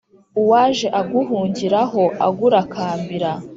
uwaj e aguhungira ho agurakambira